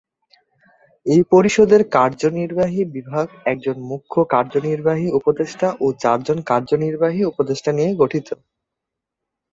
এই পরিষদের কার্যনির্বাহী বিভাগ একজন মুখ্য কার্যনির্বাহী উপদেষ্টা ও চারজন কার্যনির্বাহী উপদেষ্টা নিয়ে গঠিত।